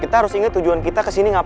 kita harus ingat tujuan kita kesini ngapain